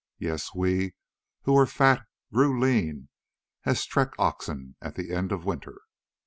Yes, we who were fat grew lean as trek oxen at the end of winter.